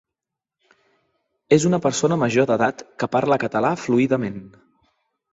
És una persona major d'edat que parla català fluidament.